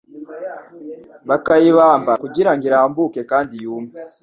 bakayibamba kugirango irambuke kandi yume.